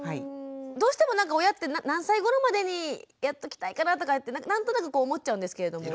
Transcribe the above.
どうしてもなんか親って何歳ごろまでにやっときたいかなとか何となく思っちゃうんですけれども。